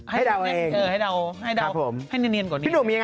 ให้เดาเองครับผมให้เดาให้เนียนกว่านี้